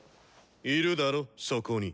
いるだろそこに。